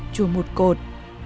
chùa một cột